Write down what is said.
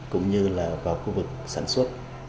cũng như là vào khu vực sản xuất